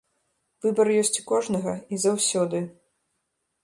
Выбар ёсць у кожнага і заўсёды.